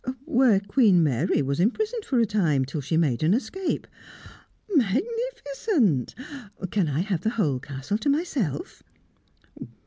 "Where Queen Mary was imprisoned for a time, till she made an escape " "Magnificent! Can I have the whole Castle to myself?"